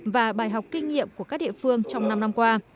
và bài học kinh nghiệm của các địa phương trong năm năm qua